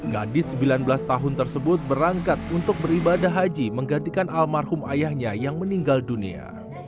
gadis sembilan belas tahun tersebut berangkat untuk beribadah haji menggantikan almarhum ayahnya yang meninggal dunia